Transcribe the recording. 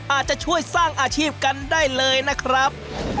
อาจจะช่วยสร้างอาชีพกันได้เลยนะครับ